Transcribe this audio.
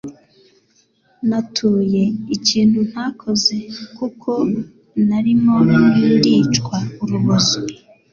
Natuye ikintu ntakoze kuko narimo ndicwa urubozo.